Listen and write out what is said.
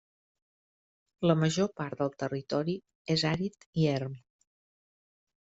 La major part del territori és àrid i erm.